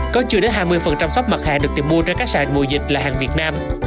có chưa đến hai mươi sốc mặt hàng được tìm mua trên các sàn mùa dịch là hàng việt nam